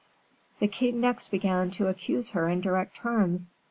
The king next began to accuse her in direct terms.